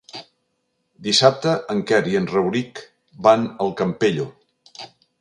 Dissabte en Quer i en Rauric van al Campello.